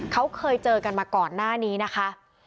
เขาเคยเจอกันมาก่อนหน้านี้นะคะ